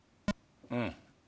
うん。